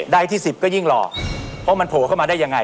ใดที่๑๐ก็ยิ่งหล่อเพราะมันโผล่เข้ามาได้ยังไง